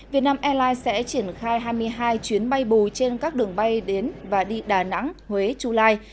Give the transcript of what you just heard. việt nam airlines sẽ triển khai hai mươi hai chuyến bay bù trên các đường bay đến và đi đà nẵng huế chu lai